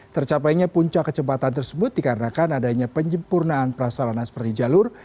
tercapainya puncak kecepatan tersebut dikarenakan adanya penyempurnaan prasarana seperti jalur